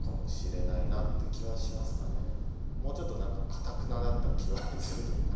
もうちょっと何かかたくなだった気はするというか。